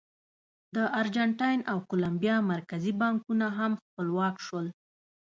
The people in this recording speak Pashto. د ارجنټاین او کولمبیا مرکزي بانکونه هم خپلواک شول.